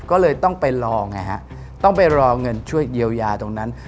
ก็เลยต้องไปรอเงินช่วยเยียวยาตรงนั้น